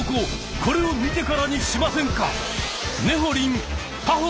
これを見てからにしませんか！